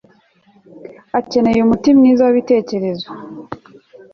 Akeneye umuti mwiza wibitekerezo